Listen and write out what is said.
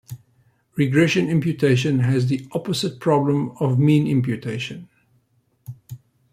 Regression imputation has the opposite problem of mean imputation.